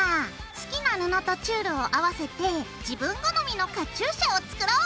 好きな布とチュールを合わせて自分好みのカチューシャを作ろう！